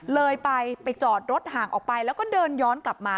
เลยไปจอดรถห่างออกไปแล้วก็เดินย้อนกลับมา